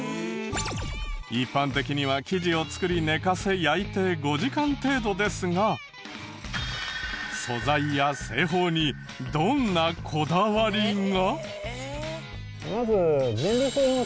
一般的には生地を作り寝かせ焼いて５時間程度ですが素材や製法にどんなこだわりが？